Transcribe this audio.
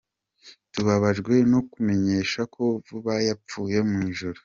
Tubabajwe no kumenyesha ko Vuba yapfuye mu ijoro.